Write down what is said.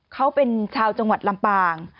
เขาเป็นชาวจังหวัดลำปาง